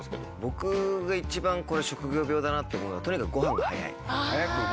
僕、一番これが職業病だなと思うのはとにかくご飯が早い。